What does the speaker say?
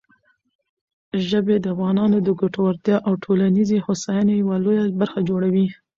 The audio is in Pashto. ژبې د افغانانو د ګټورتیا او ټولنیزې هوساینې یوه لویه برخه جوړوي.